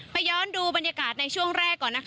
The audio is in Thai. ย้อนดูบรรยากาศในช่วงแรกก่อนนะคะ